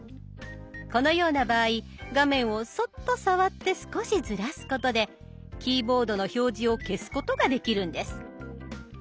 このような場合画面をそっと触って少しずらすことでキーボードの表示を消すことができるんです。